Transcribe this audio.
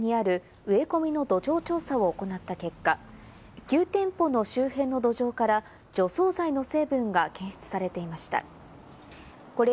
先月、東京都が都内１４店舗の前にある植え込みの土壌調査を行った結果、９店舗の周辺の土壌から除草剤の成分が検出されていました。